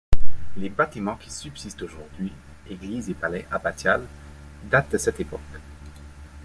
Les bâtiments qui subsistent aujourd’hui, église et palais abbatial, datent de cette époque.